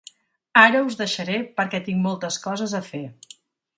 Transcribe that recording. Ara us deixaré, perquè tinc moltes coses a fer.